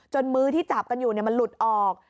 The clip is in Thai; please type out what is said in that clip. มือที่จับกันอยู่มันหลุดออก